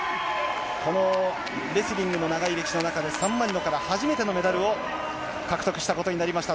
このレスリングの長い歴史の中で、サンマリノから初めてのメダルを獲得したことになりました。